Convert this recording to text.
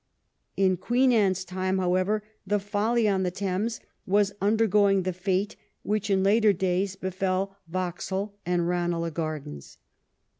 In Queen Anne^s time, however, the Folly on the Thames was undergoing the fate which in later days befell Vauxhall and Eanelagh Gardens.